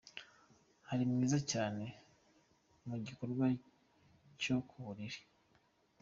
Hari mwiza cyane mu gikorwa cyo kuburiri.